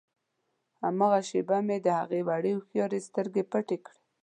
هماغه شېبه مې د هغه وړې هوښیارې سترګې پټې کړې.